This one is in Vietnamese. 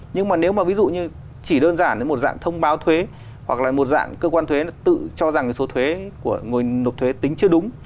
nhưng mà nếu mà ví dụ như chỉ đơn giản đến một dạng thông báo thuế hoặc là một dạng cơ quan thuế tự cho rằng số thuế của người nộp thuế tính chưa đúng